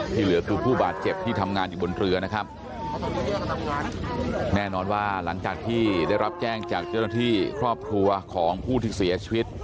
เหลือคือผู้บาดเจ็บที่ทำงานอยู่บนเรือนะครับแน่นอนว่าหลังจากที่ได้รับแจ้งจากเจ้าหน้าที่ครอบครัวของผู้ที่เสียชีวิต